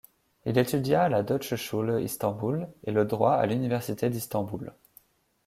Il étudia à la Deutsche Schule Istanbul et le droit à l'université d'Istanbul.